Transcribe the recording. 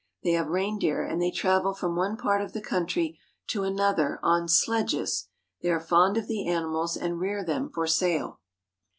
They have rein deer, and they travel from one part of the country to an other on sledges. They are fond of the animals and rear them for sale.